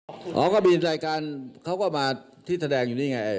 เขาก็มีอินสัยการเขาก็มาที่แสดงอยู่นี่ไง